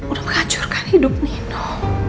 udah menghancurkan hidup nino